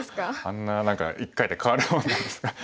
あんな何か一回で変わるもんなんですね。